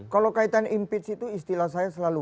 kalau kaitan impeach itu istilah saya selalu